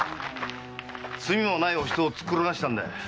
罪もないお人を突っ転ばせたんだ。